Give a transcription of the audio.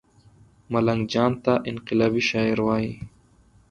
ملنګ جان ته انقلابي شاعر وايي